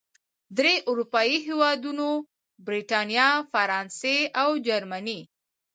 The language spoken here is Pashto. درې اروپايي هېوادونو، بریتانیا، فرانسې او جرمني